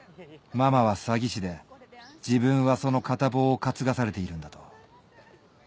ママは詐欺師で自分はその片棒を担がされているんだと。